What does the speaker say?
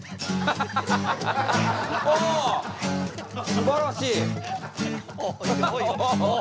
すばらしい！